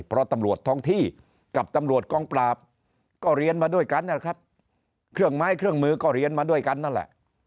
เพราะตำรวจท้องที่กับตำรวจกองปราบก็เรียนมาด้วยกันนะครับเครื่องไม้เครื่องมือก็เรียนมาด้วยกันนั่นแหละ